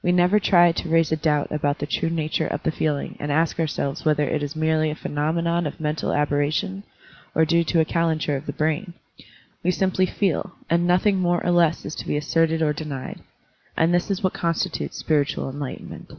We never try to raise a doubt about the true nature of the feeling and ask ourselves whether it is merely a phenomenon of mental aberration or due to a calenture of the brain. We simply feel, and nothing more or less is to be asserted or denied. And this is what constitutes spiritual enlightenment.